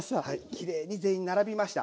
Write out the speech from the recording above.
きれいに全員並びました。